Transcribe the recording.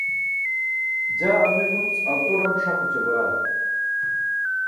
jaa ame gunc alto-ḍam ṣaq oćabaa